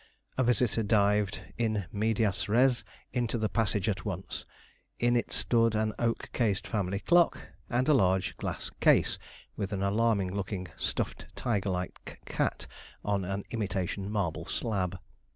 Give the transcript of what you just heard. A visitor dived, in medias res, into the passage at once. In it stood an oak cased family clock, and a large glass case, with an alarming looking, stuffed tiger like cat, on an imitation marble slab.